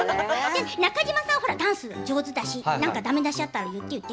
中島さんはダンスが上手だしだめ出しあったら言ってみて。